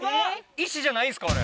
石じゃないんですかあれ。